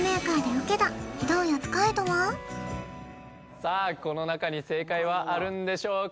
さあこの中に正解はあるんでしょうか？